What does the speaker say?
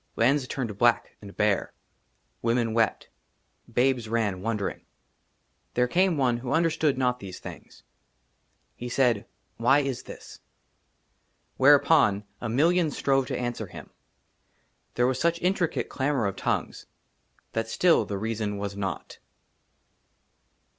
LANDS TURNED BLACK AND BARE ; WOMEN wept; BABES RAN, WONDERING. THERE CAME ONE WHO UNDERSTOOD NOT THESE THINGS. HE SAID, " WHY IS THIS ?" WHEREUPON A MILLION STROVE TO ANSWER HIM. THERE WAS SUCH INTRICATE CLAMOUR OF TONGUES, THAT STILL THE REASON WAS NOT.